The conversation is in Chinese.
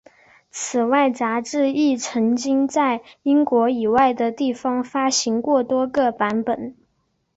此外杂志亦曾经在英国以外的地方发行过多个版本。